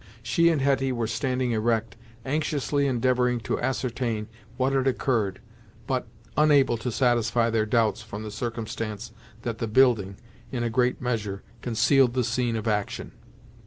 She and Hetty were standing erect, anxiously endeavoring to ascertain what had occurred, but unable to satisfy their doubts from the circumstance that the building, in a great measure, concealed the scene of action.